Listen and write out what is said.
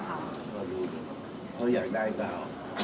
เขาอยากได้ก็เอา